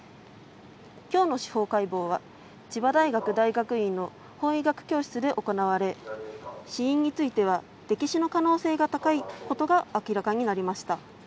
今日の司法解剖は千葉大学大学院の法医学教室で行われ死因については溺死の可能性が高いことが明らかになりました。